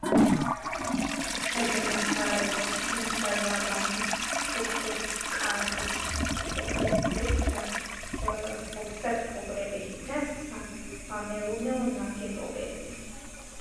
ესენია: მთავარი კოშკი, გალავანი კოშკებით, კარის ეკლესია, საცხოვრებელი და სამეურნეო ნაგებობები.